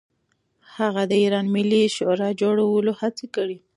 هغه د ایران ملي شورا جوړولو هڅه کړې.